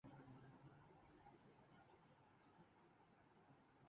پاکستان نے one day series میں Zimbabwe کو کلین سوئپ کردیا